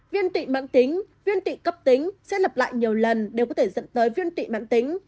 viên tụy mãn tính viên tụy cấp tính xét lập lại nhiều lần đều có thể dẫn tới viên tụy mãn tính